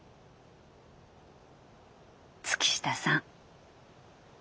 月下さん。